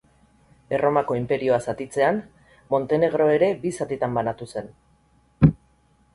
Erromako inperioa zatitzean, Montenegro ere bi zatitan banatu zen.